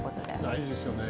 大事ですよね。